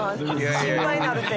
心配なるって。